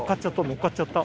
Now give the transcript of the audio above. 乗っかっちゃった。